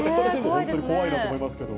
本当、怖いなと思いますけど。